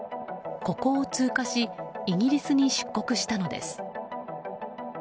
ここを通過しイギリスに出国したのです。